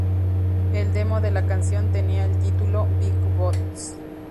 El demo de la canción tenía el título "Big Boots".